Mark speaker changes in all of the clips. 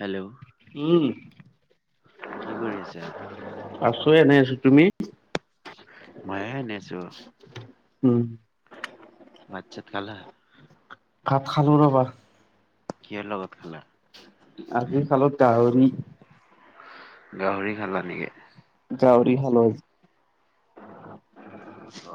Speaker 1: Hello.
Speaker 2: উম,
Speaker 1: কি কৰি আছা?
Speaker 2: আছো এনে আছো তুমি?
Speaker 1: মই এনেই আছোঁ।
Speaker 2: উম।
Speaker 1: ভাত ছাত খালা?
Speaker 2: ভাত খালো ৰবা।
Speaker 1: কিহৰ লগত খালা?
Speaker 2: আজি খালো গাহৰি।
Speaker 1: গাহৰি খালা নেকি?
Speaker 2: গাহৰি খালোঁ আজি।
Speaker 1: অ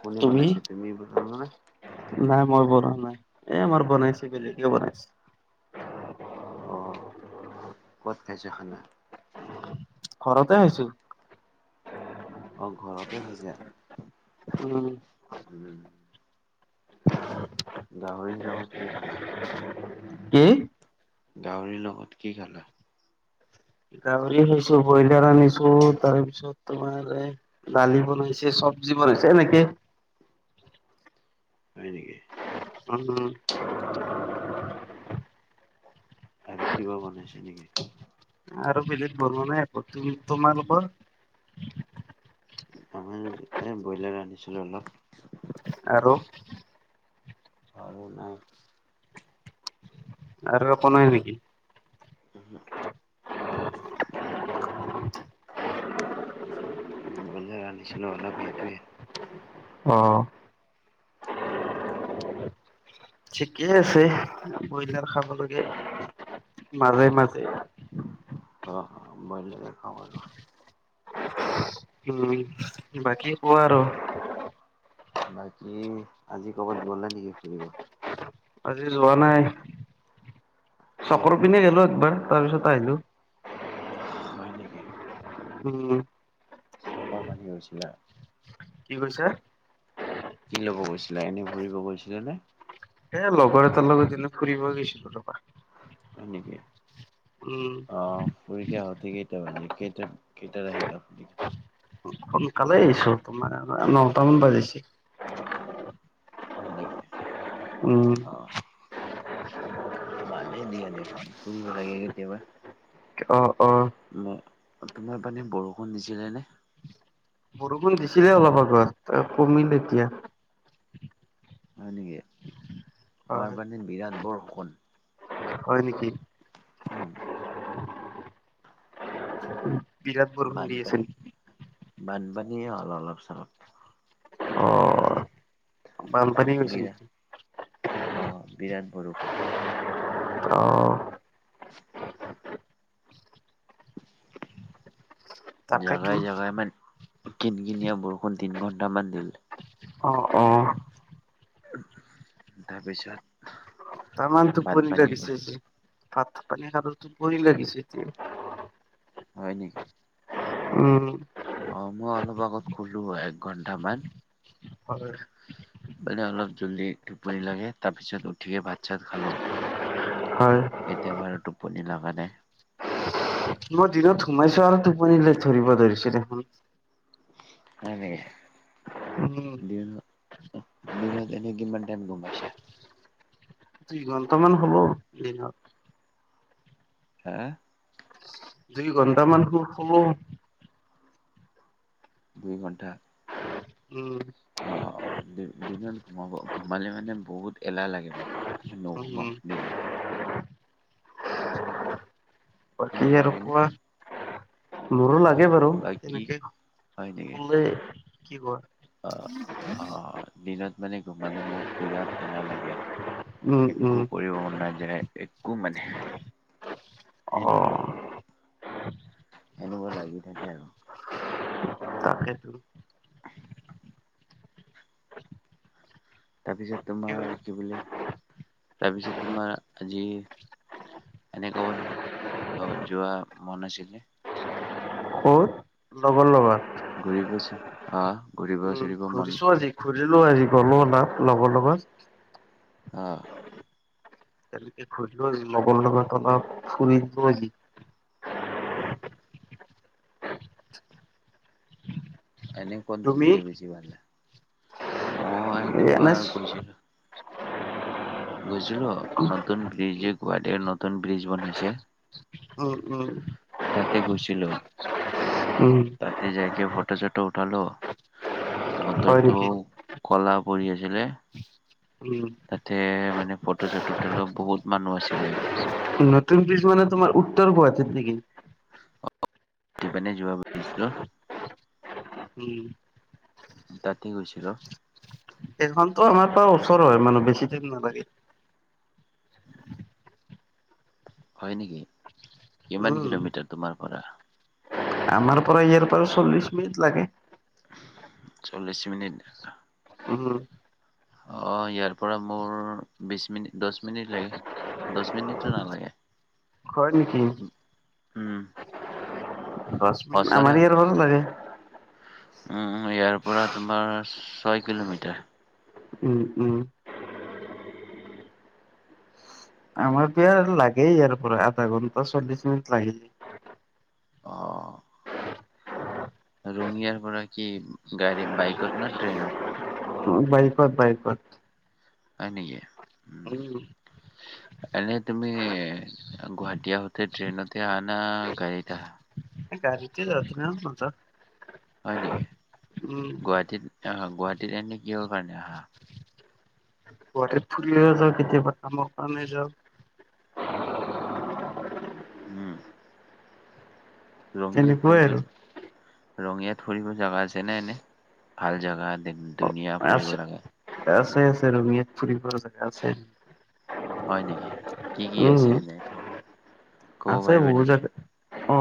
Speaker 1: কোনে বনাইছে? তুমি বনালা নে?
Speaker 2: নাই মই বনোৱা নাই, এ আমাৰ বনাইছে বেলেগে বনাইছে।
Speaker 1: অ ক'ত খাইছা খানা?
Speaker 2: ঘৰতে খাইছোঁ।
Speaker 1: অ ঘৰতে খাইছা?
Speaker 2: উম।
Speaker 1: উ [inaudible] গাহৰি লগত কি খালা?
Speaker 2: কি?
Speaker 1: গাহৰিৰ লগত কি খালা?
Speaker 2: গাহৰি খাইছোঁ, ব্ৰইলাৰ আনিছো তাৰপিছত তোমাৰ এ দালি বনাইছে চবজি বনাইছে এনেকে
Speaker 1: হয় নেকি?
Speaker 2: উম [unintelligible]
Speaker 1: আৰু কিবা বনাইছে নেকি?
Speaker 2: আৰু বেলেগ বনোৱা নাই একো, তুমি তোমালোকৰ?
Speaker 1: আমাৰ [inaudible] ব্ৰইলাৰ ৰান্ধিছিলো অলপ।
Speaker 2: আৰু?
Speaker 1: আৰু নাই।
Speaker 2: আৰু একো নাই নেকি?
Speaker 1: ওহোঁ [inaudible] ব্ৰইলাৰ ৰান্ধিছিলে অলপ এইটোৱে।
Speaker 2: অঁ। ঠিকে আছে, ব্ৰইলাৰ খাব লাগে মাজে মাজে।
Speaker 1: অ অ ব্ৰইলাৰ খাব [inaudible]
Speaker 2: উম বাকী কোৱা আৰু।
Speaker 1: বাকী আজি ক'বাত গলা নেকি ফুৰিব?
Speaker 2: আজি যোৱা নাই,
Speaker 1: কিয়?
Speaker 2: চকৰ পিনে গলো একবাৰ তাৰ পিছত আহিলো।
Speaker 1: হয় নেকি?
Speaker 2: উম।
Speaker 1: চকৰ পানি গৈছিলা?
Speaker 2: কি কৈছে?
Speaker 1: কি ল'ব গৈছিলা? এনেই ঘুৰিব গৈছিলা নে?
Speaker 2: এ লগৰ এটাৰ লগত দিন ফুৰিব গৈছিলো ৰবা
Speaker 1: হয় নেকি
Speaker 2: উম
Speaker 1: আহ পৰীক্ষা হথি কেইটা নে কেইটা কেইটাৰ আহিলা হঠি
Speaker 2: সোনকালে আহিছো তোমাৰ নটা মান বাজিছে
Speaker 1: হয় নেকি
Speaker 2: উম
Speaker 1: অ ভালেই দিয়া দেখোন ফুৰিব লাগে কেতিয়াবা
Speaker 2: অ অ
Speaker 1: ম তোমাৰ পানে বৰষুণ দিছিলে নে
Speaker 2: বৰষুণ দিছিলে অলপ আগত তে কমিল এতিয়া
Speaker 1: হয় নেকি
Speaker 2: হয়
Speaker 1: খোৱাৰ পানী বিৰাট বৰখন
Speaker 2: হয় নেকি
Speaker 1: উ
Speaker 2: উম [unintelligible]
Speaker 1: বানপানী বানপানীয়ে হ'ল অলপ চলপ
Speaker 2: অ বানপানী হৈছিল নেকি
Speaker 1: অ অ বিৰাট বৰুষুণ
Speaker 2: অঁ তাকেতো
Speaker 1: জাগাই জাগাই মান কিন কিনিয়া বৰষুণ তিন ঘন্টামান দিলে
Speaker 2: অ অ
Speaker 1: তাৰপিছত
Speaker 2: তামাম টোপনি
Speaker 1: বানপানী বোলে
Speaker 2: লাগিছে যে ভাত পানী খালো টোপনি লাগিছে এতিয়া
Speaker 1: হয় নেকি
Speaker 2: উম
Speaker 1: অ মই অলপ আগত শুলো এক ঘন্টামান
Speaker 2: হয়
Speaker 1: মানে অলপ জলদি টোপনি লাগে তাৰ পিছত উঠিয়ে ভাত চাত খালো
Speaker 2: হয়
Speaker 1: এতিয়া বাৰু টোপনি লাগা নাই
Speaker 2: মই দিনত সোমাইছো আৰু টোপনিলৈ ধৰিব ধৰিছে দেখোন
Speaker 1: হয় নেকি
Speaker 2: উম,
Speaker 1: দিন দিনত এনে কিমান টাইম গম পাইছা
Speaker 2: দুই ঘন্টামান হ'ব দিনত
Speaker 1: হা
Speaker 2: দুই ঘন্টামান হু হব
Speaker 1: দুই ঘণ্টা
Speaker 2: উম
Speaker 1: অ দি দিনত ঘোমাব ঘোমালে মানে বহুত এলাহ লাগে মোক নুঘুমাও
Speaker 2: উম,
Speaker 1: দিনত
Speaker 2: বাকি
Speaker 1: তোমাক
Speaker 2: আৰু
Speaker 1: লাগেনে?
Speaker 2: কোৱা মোৰো লাগ তাকে বাৰু
Speaker 1: বাকী
Speaker 2: তেনেকে
Speaker 1: হয় নেকি?
Speaker 2: কলে কি
Speaker 1: অ'
Speaker 2: ক
Speaker 1: অ' দিনত মানে ঘোমালে মোক বিৰাট এলাহ লাগে
Speaker 2: উম, উম,
Speaker 1: একো কৰিব মন নাযায় একো মানে এনোকুৱা
Speaker 2: অ'
Speaker 1: এনেকুৱা লাগি থাকে আৰু
Speaker 2: তাকেটো
Speaker 1: তাৰপিছত তোমাৰ কি বোলে। তাৰপিছত তোমাৰ আজি এনে কবাত যোৱা মন আছিল নে।
Speaker 2: ক'ত? লগৰ লগত'
Speaker 1: ঘূৰিব আছে অ ঘূৰিব আছে।
Speaker 2: উম, ঘূৰিছো আজি ঘূৰিলো আজি গলো নাপ লগৰ লগত
Speaker 1: অ
Speaker 2: খ লৱন লগৰ লগত' ফুৰিব সি
Speaker 1: এনে কত
Speaker 2: তুমি?
Speaker 1: ঘুৰিলে বেছি ভাল হয়। মই তোমাৰ
Speaker 2: এনে
Speaker 1: গৈছিলো গৈছিল নতুন ব্ৰিজে গুৱাহাটীত নতুন ব্ৰিজ বনাইছে।
Speaker 2: উম উম
Speaker 1: তাতে গৈছিলো।
Speaker 2: উম
Speaker 1: তাতে যাইক ফটো চটো উঠালো
Speaker 2: হয় নেকি?
Speaker 1: বতৰটো- কলা পৰি় আছিলে।
Speaker 2: উম,
Speaker 1: তাতে মানে ফটো চটো উটালো বহুত মানুহ আছিলে।
Speaker 2: নতুন ব্ৰিজ মানে তোমাৰ উত্তৰ গুৱাহাটীত নেকি?
Speaker 1: অ [unintelligible] যোৱা ভাবিছিলো
Speaker 2: ওম
Speaker 1: তাতে গৈছিলো
Speaker 2: সেইখনতো আমাৰ পৰা ওচৰ হয় মানে বেছি দিন নালাগে।
Speaker 1: হয় নেকি কিমান
Speaker 2: উম,
Speaker 1: কিলোমিটাৰ তোমাৰ পৰা।
Speaker 2: আমাৰ পৰা ইয়াৰ পৰাাৰ চল্লিশ মিনিট লাগে।
Speaker 1: চল্লিশ মিনিট
Speaker 2: উম
Speaker 1: অঁ ইয়াৰ পৰা মোৰ বিশ মিনিট দহ মিনিট লাগে। দহ মিনিটটো নালাগে
Speaker 2: হয় নেকি?
Speaker 1: উম
Speaker 2: ৰশ্মিন
Speaker 1: সঁচাৰে
Speaker 2: আমাৰ ইয়াৰ সমান ভাল লাগে
Speaker 1: উম ইয়াৰ পৰা তোমাৰ ছয় কিলোমিটাৰ
Speaker 2: উম উম আমাৰ ইয়াৰ লাগেই ইাৰ পৰা আধা ঘন্টা চল্লিশ লাগি যায়।
Speaker 1: অ ৰঙিয়াৰ পৰা কি গাড়ী বাইকত না ট্ৰেইনত
Speaker 2: বাইকত বাইকত
Speaker 1: হয় নেকি
Speaker 2: উম,
Speaker 1: এ তুমি গুৱাহাটীওতে ট্ৰেইনতে আহ না গাড়ীত আহা।
Speaker 2: গাড়ি [unintelligible] য আছ ন নত
Speaker 1: হয় নেকি? গুৱাহাটীত অ গুৱাহাটীত এনে কিহৰ কাৰণে আহা।
Speaker 2: গুৱাহাটী ফুৰিব যাওঁ কেতিয়াবা কামৰ ক ন হৈ যাওঁ।
Speaker 1: উম ৰঙিয়াত
Speaker 2: তেনেকুৱাই
Speaker 1: ফুৰি
Speaker 2: আৰু
Speaker 1: জায়। ৰঙিয়াত ফুৰিব জাগা আছে ন এনে ভাল জোগা ধুনীয়া ফুৰিব
Speaker 2: আছে
Speaker 1: লগা।
Speaker 2: আছে আছে ৰঙিয়া ফুৰিব ব জাগা আছে।
Speaker 1: হয় নেকি? কি কি আছে
Speaker 2: উম
Speaker 1: এনে ক'ব
Speaker 2: আছে
Speaker 1: পাৰিব
Speaker 2: বহুত
Speaker 1: নেকি?
Speaker 2: জেগা অ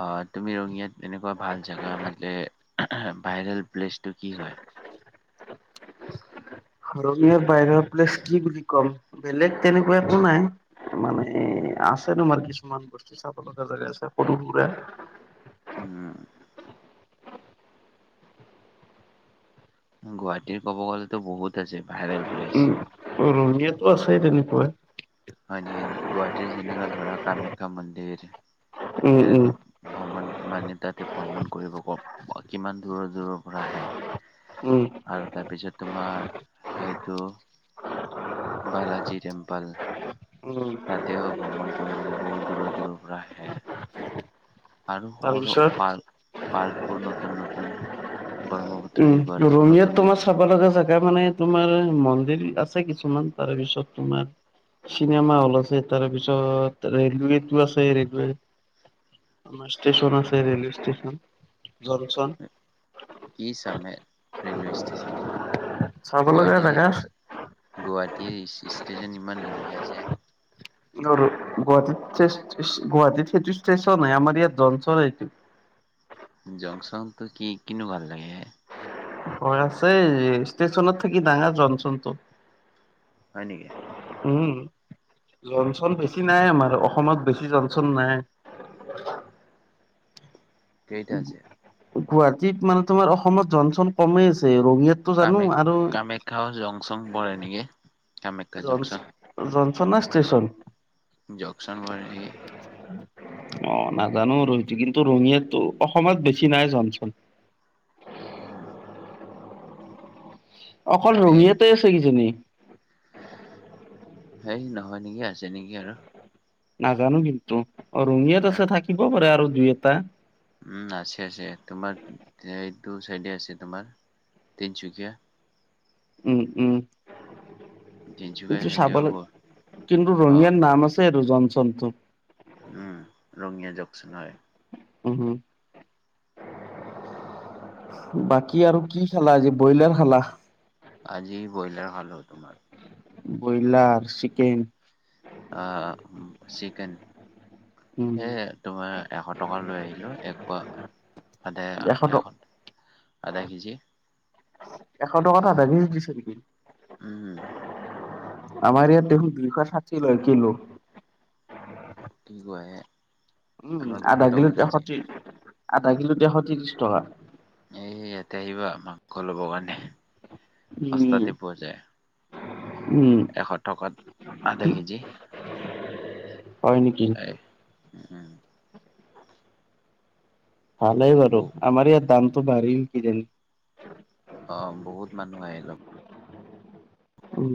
Speaker 1: অ তুমি ৰঙিয়াত এনেকুৱা ভাল জেগা মানে ভাইৰেল প্লেচটো কি হয়।
Speaker 2: ৰঙিয়া বাহিৰ প্লেছ কি বুলি ক'ম বেলেগ তেনেকুৱা একো নাই। মানে আছে তোমাৰ কিছুমান বস্তু চাব লগা জেগা আছে সৰু সুৰা।
Speaker 1: উম' গুৱাহাটীৰ ক'ব গ'লেতো বহুত আছে ভাইৰেল। প্লেচ
Speaker 2: উম ৰঙিয়াতো আছে তেনেকুৱাই।
Speaker 1: হয় নেকি গুৱাহাটীৰ যেনেকা ধৰা কামাখ্যা মন্দিৰ,
Speaker 2: উম উম
Speaker 1: সেইতেটো। ভ্ৰমণ মানে তাতে ভ্ৰমণ কৰিব ক কিমান দূৰৰ দূৰৰ পৰা আহে।
Speaker 2: উম
Speaker 1: আৰু তাৰপিছত তোমাৰ সেইটো। বালাজি টেম্পল।
Speaker 2: উম
Speaker 1: তাতেও ভ্ৰমণ কৰিবলৈ বহু দূৰ দূৰৰ পৰা আহে। আৰু সৰু
Speaker 2: তাৰপিছত
Speaker 1: পাৰ্ক পাৰ্ক বোৰ নতুন নতুন ব্ৰক্ষ্মপুত্ৰ-
Speaker 2: উম ৰঙিয়াত তোমাৰ চাব লগা জেগা। তাৰ মানে তোমাৰ মন্দিৰ আছে কিছুমান তাৰপিছত তোমাৰ- চিনেমা হল আছে তাৰপিছত ৰেলৱেতো আছে ৰেলৱে। আমাৰ ষ্টেচন আছে ৰেলৱে ষ্টেচন জংচন।
Speaker 1: কি চামে ৰেলৱে ষ্টেচন তো।
Speaker 2: চাব লগা
Speaker 1: গুৱাহাটী
Speaker 2: জেগা আছে
Speaker 1: গুৱাহাটী ষ্টেচন ইমান ধুনীয়া আছে।
Speaker 2: গুৱাহাটীত গুৱাহাটীত সেইটো ষ্টেচন হয় আমাৰ ইয়াত জংচন এইটো।
Speaker 1: জংচন টো কি কিনো ভাল লাগে হে?
Speaker 2: হয় আছে ষ্টেচনত থাকি ডাঙৰ জংচনটো।
Speaker 1: হয় নেকি।
Speaker 2: উম জংচন বেছি নাই আমাৰ অসমত বেছি জংচন নাই।
Speaker 1: কেইটা আছে?
Speaker 2: গুৱাহাটীত মানে তোমাৰ অসমত জংচন কমেই আছে ৰঙিয়াত-
Speaker 1: কামে কামেখ্যাও জংচন পৰে নেকি?
Speaker 2: জংচন জংচন নে ষ্টেচন।
Speaker 1: জকচান হয় নেকি।
Speaker 2: অ নাজানো তোৰ কিন্তু ৰঙিয়াটো অসমত বেছি নাই জংচন।
Speaker 1: উম।
Speaker 2: অকল
Speaker 1: এনেই
Speaker 2: ৰঙিয়াতে আছে কিজানি।
Speaker 1: সেই নহয় নেকি আছে নেকি আৰু,
Speaker 2: নাজানো কিন্তু ৰঙিয়াত
Speaker 1: আৰু
Speaker 2: আছে থাকিবও পাৰে আৰু দুই এটা।
Speaker 1: উম আছে আছে তোমাৰ এইটো চাইডে আছে তোমাৰ, তিনিচুকীয়া।
Speaker 2: উম উম, এইটো
Speaker 1: তিনচুকীয়া
Speaker 2: চাব লাগে,
Speaker 1: দেওবৰ
Speaker 2: কিন্তু
Speaker 1: অ',
Speaker 2: ৰঙিয়াত নাম আছে আৰু জংচনটো।
Speaker 1: উম ৰঙিয়া জকচন হয়।
Speaker 2: উম উম, বাকী আৰু কি খালা আজি ব্ৰইলাৰ খালা?
Speaker 1: আজি ব্ৰইলাৰ খালো তোমাৰ।
Speaker 2: Broiler chicken.
Speaker 1: অ চিকেন,
Speaker 2: উম
Speaker 1: এ। তোমাৰ এশ টকা লৈ আহিলো একপোৱা দেৰ
Speaker 2: এশ টকা
Speaker 1: দেৰশত। আধা কেজি।
Speaker 2: এশ টকাত আধা দিছে নেকি?
Speaker 1: উম,
Speaker 2: আমাৰ ইয়াত দেখোন দুইশ ষাঠি লয় কিলো।
Speaker 1: কি কয় হে।
Speaker 2: উম আধা কিলোত এশ ত্ৰিশ আধা কিলোত এশ ত্ৰিশ টকা।
Speaker 1: এই ইয়াতে আহিবা মাংস ল'ব কাৰণে
Speaker 2: উম
Speaker 1: সস্তাতে পোৱা যায়।
Speaker 2: উম
Speaker 1: এশ টকাত আধা কেজি।
Speaker 2: হয় নেকি।
Speaker 1: উম উম'
Speaker 2: ভালেই
Speaker 1: ব
Speaker 2: বাৰু আমাৰ ইয়াত দামতো বাঢ়িল কি জানি।
Speaker 1: অঁ বহুত মানুহ আহি লব।
Speaker 2: উম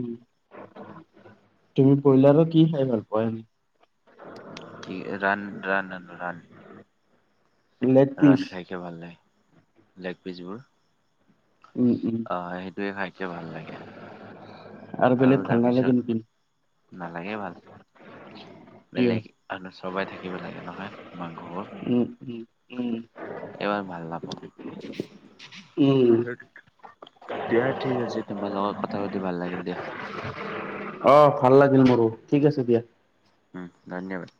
Speaker 2: তুমি ব্ৰইলাৰ কি খাই ভাল পোৱা এনে?
Speaker 1: কি ৰান ৰান হেনো ৰান।
Speaker 2: লেগ
Speaker 1: ৰান
Speaker 2: পিচ
Speaker 1: খাইকে ভাল লে। লেগ পিচবোৰ
Speaker 2: উম, উম
Speaker 1: অঁ সেইটোৱে খাইকে ভাল লাগে।
Speaker 2: বেলেগ
Speaker 1: আৰু
Speaker 2: ভাল নালাগে নেকি?
Speaker 1: তাৰপিছত নালাগে ভাল
Speaker 2: কিয়?
Speaker 1: বেলেগ। আনো সবাই থাকিব লাগে নহয়। মাংসবোৰ
Speaker 2: উম উম উম,
Speaker 1: এইবাৰ ভাল নাপাওঁ
Speaker 2: উম,
Speaker 1: দিয়া ঠিক আছে তোমাৰ লগত কথা পাতি ভাল লাগিল দিয়া।
Speaker 2: অঁ ভাল লাগিল মোৰো ঠিক আছে দিয়া।
Speaker 1: উম ধন্যবাদ।